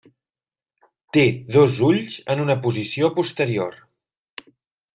Té dos ulls en una posició posterior.